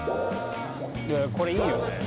これいいよね。